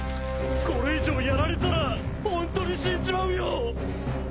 これ以上やられたらホントに死んじまうよ。